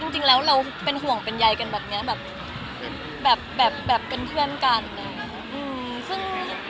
จริงแล้วเราเป็นห่วงเป็นใยกันแบบนี้แบบเป็นเพื่อนกัน